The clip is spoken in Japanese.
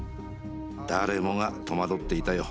誰もが戸惑っていたよ。